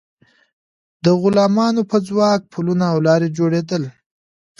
د غلامانو په ځواک پلونه او لارې جوړیدل.